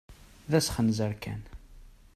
D asxenzer kan!